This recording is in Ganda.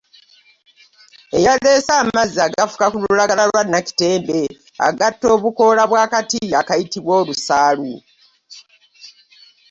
Eyaleese amazzi agafuka ku lulagala lwa nnakitembe, agatta obukoola bw’akati akayitibwa olusaalu.